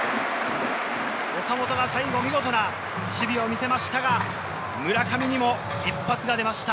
岡本が最後、見事な守備を見せましたが、村上にも一発が出ました。